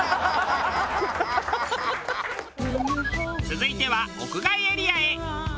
続いては屋外エリアへ。